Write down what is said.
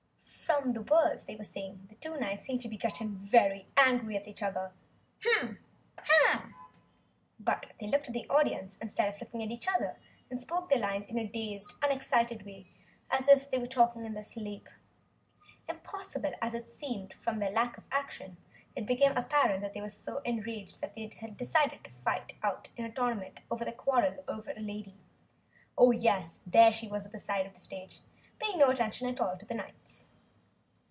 From the words they were saying, the two knights seemed to be getting very angry at each other. But they looked at the audience, instead of looking at each other, and spoke their lines in a dazed, unexcited way as though they were talking in their sleep. Impossible as it seemed from their lack of action, it became apparent that they were so enraged they had decided to fight out in a tournament, their quarrel over a lady. Oh, yes, there she was at the side of the stage, paying no attention at all to the knights.